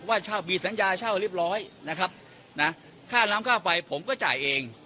ว่าเช่ามีสัญญาเช่าเรียบร้อยนะครับนะค่าน้ำค่าไฟผมก็จ่ายเอง